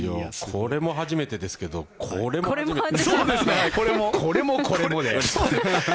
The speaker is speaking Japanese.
これも初めてですけどこれもこれもで。